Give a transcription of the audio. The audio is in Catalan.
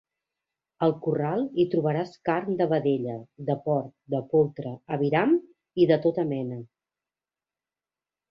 Al corral hi trobaràs carn de vedella, de porc, de poltre, aviram i de tota mena.